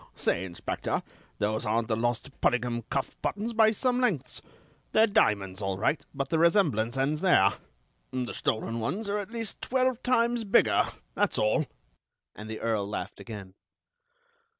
"Say, Inspector, those aren't the lost Puddingham cuff buttons by some lengths. They're diamonds, all right, but the resemblance ends there. The stolen ones are at least twelve times bigger; that's all." And the Earl laughed again.